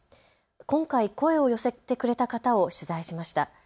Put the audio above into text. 今回、声を寄せてくれた方を取材しました。